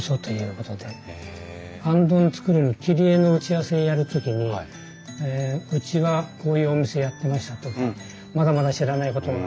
行灯を作るのに切り絵の打ち合わせをやる時にうちはこういうお店やってましたとかまだまだ知らないことが勉強になります。